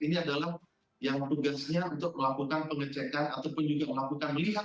ini adalah yang tugasnya untuk melakukan pengecekan ataupun juga melakukan melihat